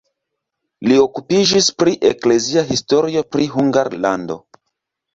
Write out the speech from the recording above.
Li okupiĝis pri eklezia historio pri Hungarlando.